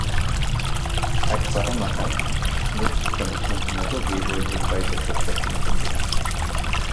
At Parramatta, Smith's commitment never wavered despite a succession of injuries.